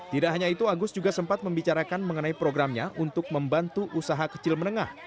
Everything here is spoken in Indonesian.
tidak hanya itu agus juga sempat membicarakan mengenai programnya untuk membantu usaha kecil menengah